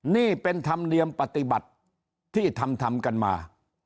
นี่เป็นธรรมเนียมปฏิบัติที่ทำทำกันมา